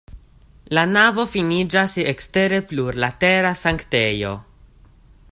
La navo finiĝas je ekstere plurlatera sanktejo.